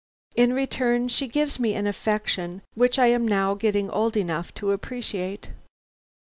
In return she gives me an affection which I am now getting old enough to appreciate.